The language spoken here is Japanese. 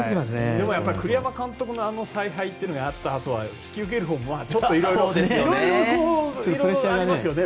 でも、栗山監督の采配もあったから引き受けるほうもいろいろとありますよね。